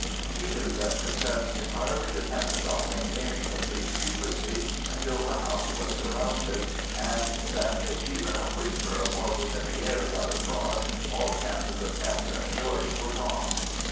He knew that success entirely depended on maintaining complete secrecy until the house was surrounded, and that if even a whisper of what was in the air got abroad all chances of capturing Joyce were gone.